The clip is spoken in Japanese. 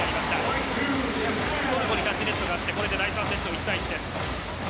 トルコにタッチネットがあって第３セット１対１です。